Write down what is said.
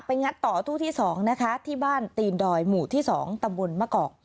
งัดต่อตู้ที่๒นะคะที่บ้านตีนดอยหมู่ที่๒ตำบลมะเกาะ